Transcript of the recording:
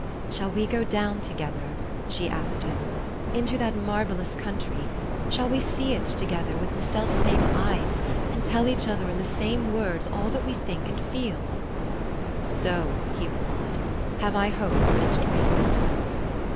"Shall we go down together," she asked him, "into that marvellous country; shall we see it together, as if with the self same eyes, and tell each other in the same words all that we think and feel?" "So," he replied, "have I hoped and dreamed."